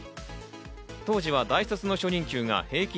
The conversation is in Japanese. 当時は大卒の初任給が平均